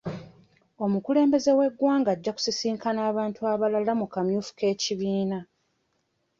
Omukulembeze w'eggwanga ajja kusisinkana abantu abalala mu kamyufu k'ekibiina.